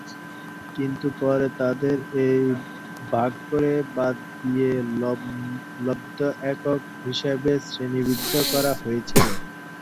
কিন্তু পরে তাদের এই ভাগ থেকে বাদ দিয়ে লব্ধ একক হিসাবে শ্রেণিবদ্ধ করা হয়েছিল।